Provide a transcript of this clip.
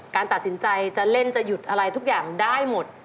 การตัดสินใจจะเล่นจะหยุดอะไรทุกอย่างได้หมด